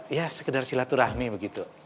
ya sekedar silaturahmi begitu